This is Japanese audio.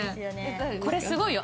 これすごいよ。